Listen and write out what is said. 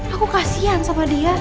aku kasian sama dia